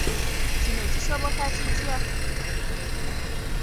Kino kisoboka kitya?